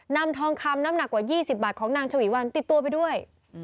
นำทองคำน้ำหนักกว่า๒๐บาทของนางฉวีวันติดตัวไปด้วย